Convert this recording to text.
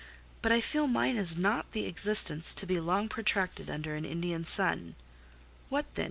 But I feel mine is not the existence to be long protracted under an Indian sun. What then?